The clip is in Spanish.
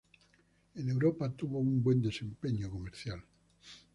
En Europa, tuvo un buen desempeño comercial.